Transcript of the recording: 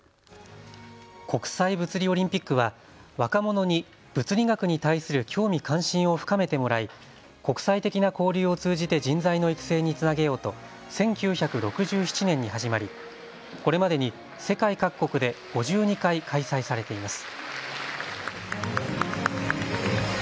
国際物理オリンピックは若者に物理学に対する興味・関心を深めてもらい国際的な交流を通じて人材の育成につなげようと１９６７年に始まりこれまでに世界各国で５２回開催されています。